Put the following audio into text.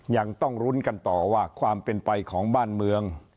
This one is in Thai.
ยังต้องลุ้นกันต่อว่าความเป็นไปของบ้านเมือง